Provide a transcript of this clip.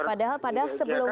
padahal pada sebelumnya